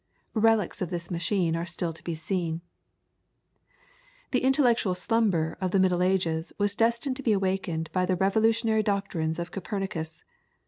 Relics of this machine are still to be seen. [PLATE: COPERNICUS.] The intellectual slumber of the Middle Ages was destined to be awakened by the revolutionary doctrines of Copernicus.